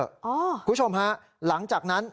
คุณผู้ชมฮะหลังจากนั้น